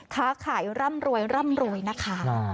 ค้าขายร่ำรวยร่ำรวยนะคะ